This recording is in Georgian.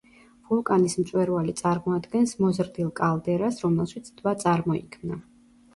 ვულკანის მწვერვალი წარმოადგენს მოზრდილ კალდერას, რომელშიც ტბა წარმოიქმნა.